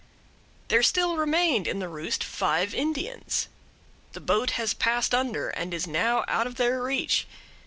There still remained in the roost five Indians. The boat has passed under and is now out of their reach.